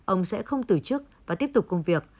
ông sẽ không từ chức và tiếp tục công việc